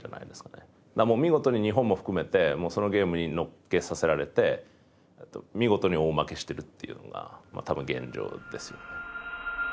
もう見事に日本も含めてそのゲームに乗っけさせられて見事に大負けしてるっていうのがまあ多分現状ですよね。